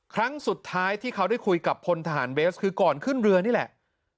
ครั้งสุดท้ายที่เขาได้คุยกับพลทหารเบสคือก่อนขึ้นเรือนี่แหละ